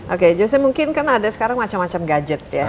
oke jose mungkin kan ada sekarang macam macam gadget ya